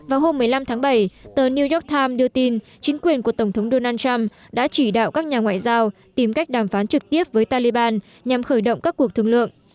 vào hôm một mươi năm tháng bảy tờ new york times đưa tin chính quyền của tổng thống donald trump đã chỉ đạo các nhà ngoại giao tìm cách đàm phán trực tiếp với taliban nhằm khởi động các cuộc thương lượng